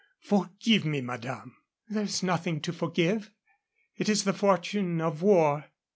Forgive me, madame." "There is nothing to forgive. It is the fortune of war."